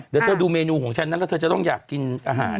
เดี๋ยวเธอดูเมนูของฉันนั้นแล้วเธอจะต้องอยากกินอาหาร